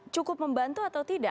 cukup membantu atau tidak